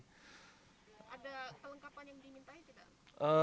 ada kelengkapan yang dimintai tidak